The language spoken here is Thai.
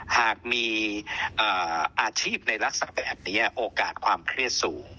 หากมีอาชีพในลักษณะแบบนี้โอกาสความเครียดสูง